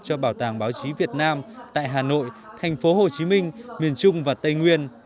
cho bảo tàng báo chí việt nam tại hà nội thành phố hồ chí minh miền trung và tây nguyên